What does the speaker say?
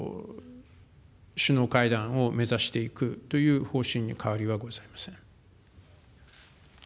首脳会談を目指していくという方針に変わりはございません。